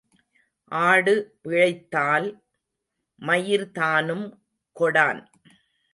ஆடு பிழைத்தால் மயிர்தானும் கொடான்.